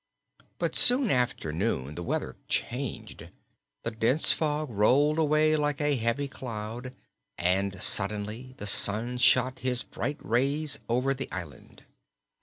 But soon after noon the weather changed. The dense fog rolled away like a heavy cloud and suddenly the sun shot his bright rays over the island.